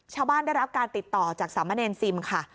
ชาวบ้านได้รับการติดต่อจากสามัญเอนซิมค่ะ